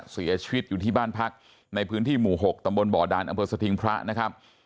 เสียชีวิตอยู่ที่บ้านพักในพื้นที่หมู่๖ตำบลบ่อดานอำเภอสถิงพระนะครับ